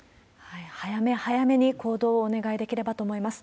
早め早めに行動をお願いできればと思います。